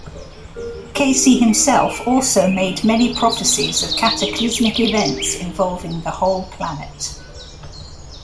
Cayce himself also made many prophecies of cataclysmic events involving the whole planet.